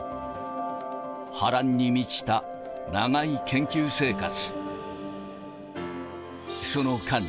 波乱に満ちた長い研究生活。